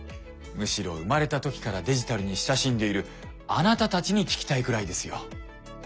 むしろ生まれた時からデジタルに親しんでいるあなたたちに聞きたいくらいですよ。